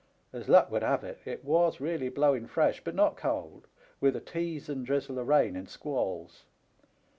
As luck would have^it, it was really blowing fresh, but not cold, with a teasing drizzle of rain in squalls.